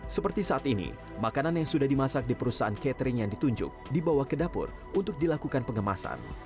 seperti saat ini makanan yang sudah dimasak di perusahaan catering yang ditunjuk dibawa ke dapur untuk dilakukan pengemasan